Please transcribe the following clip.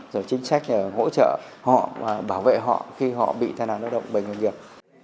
rồi chính trách hỗ trợ họ và bảo vệ họ khi họ bị tai nạn lao động bệnh ngành nghiệp